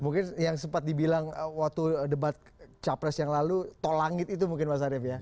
mungkin yang sempat dibilang waktu debat capres yang lalu tol langit itu mungkin mas arief ya